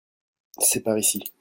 C'est par ici.